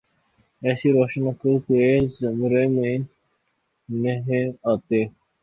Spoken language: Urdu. ایسی روش عقل کے زمرے میں نہیںآتی۔